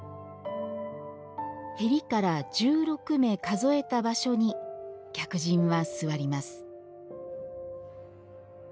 縁から１６目数えた場所に客人は座ります